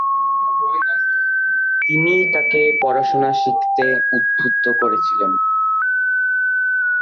তিনিই তাকে পড়াশোনা শিখতে উদ্বুদ্ধ করেছিলেন।